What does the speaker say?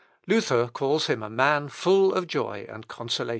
Luther calls him a man full of joy and consolation.